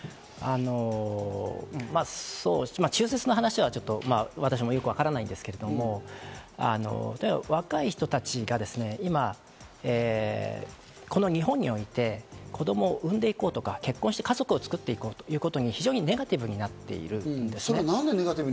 中絶の話は私もよくわからないですけど、若い人たちがこの日本において子供を産んで行こうとか、結婚して家族を作って行こうということにネガティブになっているんですよね。